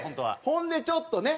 ほんでちょっとね